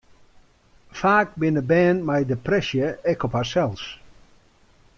Faak binne bern mei depresje ek op harsels.